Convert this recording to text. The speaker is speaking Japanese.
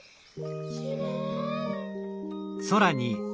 きれい！